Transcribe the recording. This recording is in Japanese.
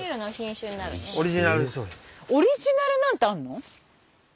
オリジナルなんてあるの？